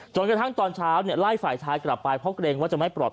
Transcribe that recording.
กระทั่งตอนเช้าไล่ฝ่ายชายกลับไปเพราะเกรงว่าจะไม่ปลอด